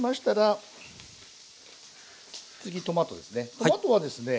トマトはですね